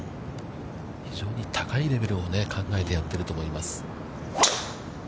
非常に高いレベルを考えてやっていると思います。